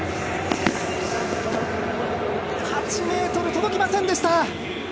８ｍ届きませんでした。